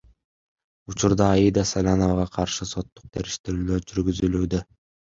Учурда Аида Саляновага каршы соттук териштирүүлөр жүргүзүлүүдө.